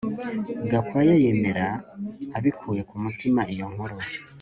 Gakwaya yemera abikuye ku mutima iyo nkuru